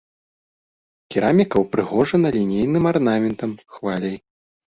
Кераміка ўпрыгожана лінейным арнаментам, хваляй.